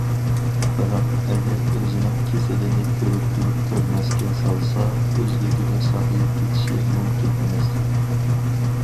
بىراق، ئەگەر ئۆزىنىڭ كېسىلىنى كۆرۈپ تۇرۇپ كۆرمەسكە سالسا، ئۆزلۈكىدىن ساقىيىپ كېتىشى مۇمكىن ئەمەس.